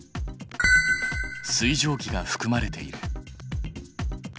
水蒸気がふくまれている。